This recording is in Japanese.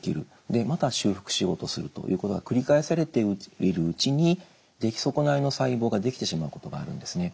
でまた修復しようとするということが繰り返されているうちに出来損ないの細胞が出来てしまうことがあるんですね。